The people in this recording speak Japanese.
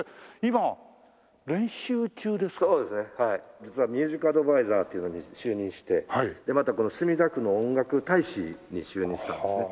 実はミュージック・アドヴァイザーというのに就任してまたこの墨田区の音楽大使に就任したんですね。